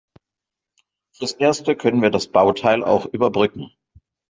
Fürs Erste können wir das Bauteil auch überbrücken.